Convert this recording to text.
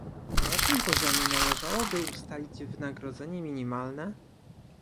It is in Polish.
Na jakim poziomie należałoby ustalić wynagrodzenie minimalne?